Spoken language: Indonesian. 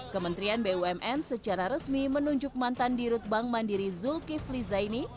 kementerian bumn secara resmi menunjuk mantan dirut bank mandiri zulkifli zaini